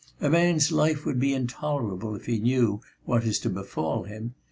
A man's life would be intolerable if he knew what is to befall him.